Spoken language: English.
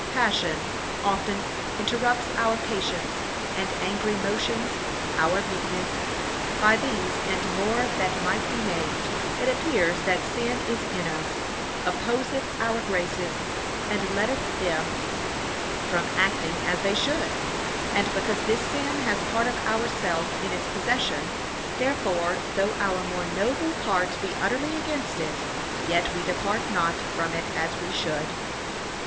Passion often interrupts our patience, and angry motions our meekness. By these, and more that might be named, it appears that sin is in us, opposeth our graces, and letteth them from acting as they should; and because this sin has part of ourself in its possession, therefore though our more noble part be utterly against it, yet we depart not from it as we should.